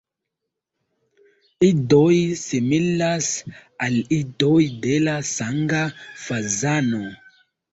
Idoj similas al idoj de la Sanga fazano.